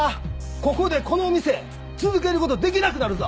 ここでこの店続ける事できなくなるぞ。